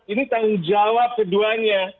ini tanggung jawab keduanya